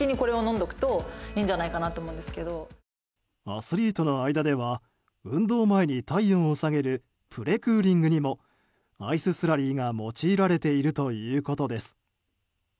アスリートの間では運動前に体温を下げるプレクーリングにもアイススラリーが用いられているということです。